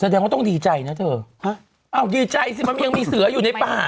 แสดงว่าต้องดีใจนะเธอฮะอ้าวดีใจสิมันยังมีเสืออยู่ในป่า